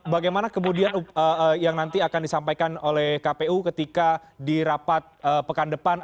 bagaimana kemudian yang nanti akan disampaikan oleh kpu ketika di rapat pekan depan